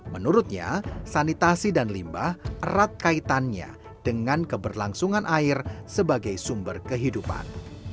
menurutnya sanitasi dan limbah erat kaitannya dengan keberlangsungan air sebagai sumber kehidupan